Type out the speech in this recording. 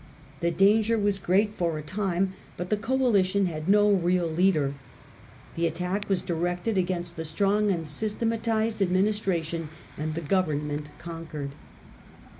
The danger was great for a time, but the coalition had no real leader: The attack was directed against the strong and systematized administration, and the government conquered.